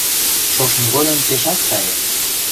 Шошым годым пешак сае